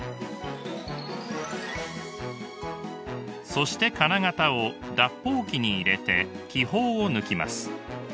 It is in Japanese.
そして金型を脱泡機に入れて気泡を抜きます。